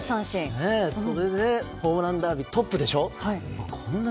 それでホームランダービートップでしょ。